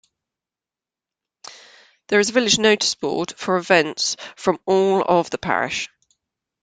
There is a village notice board for events from all of the Parish.